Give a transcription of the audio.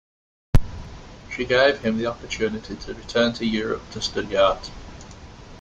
She gave him the opportunity to return to Europe to study art.